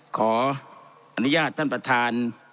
ขออนุญาตท่านประธาน